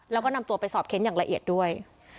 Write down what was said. แล้วก็นำตัวไปสอบเค้นอย่างละเอียดด้วย